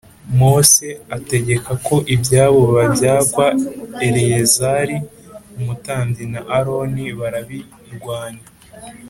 Mose ategeka ko ibyabo babyakwa Eleyazari umutambyi na aroni barabirwanya